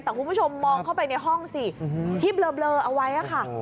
แต่คุณผู้ชมมองเข้าไปในห้องสิที่เบลอเอาไว้ค่ะ